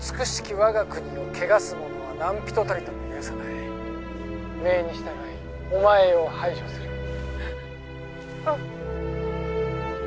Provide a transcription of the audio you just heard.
我が国を汚す者は何人たりとも許さない命に従いお前を排除するえっあっ！